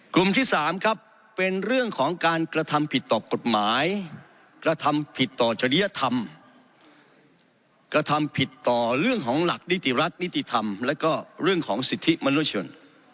กลุ่มที่๓ครับเป็นเรื่องของการกระทำผิดต่อกฎหมายกระทำผิดต่อจริยธรรมกระทำผิดต่อเรื่องของหลักนิติรัฐนิติธรรมและก็เรื่องของสิทธิมนุษยชน